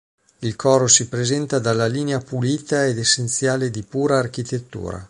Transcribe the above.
Il coro si presenta dalla linea pulita e essenziale di pura architettura.